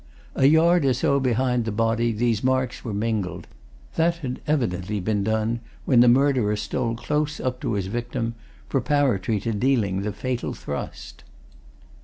A yard or so behind the body these marks were mingled; that had evidently been done when the murderer stole close up to his victim, preparatory to dealing the fatal thrust.